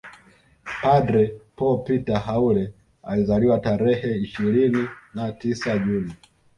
Padre Paul Peter Haule alizaliwa tarehe ishirini na tisa juni